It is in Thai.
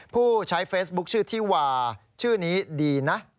ผู้ใช้เฟซบุ๊คชื่อที่วาชื่อนี้ดีนะ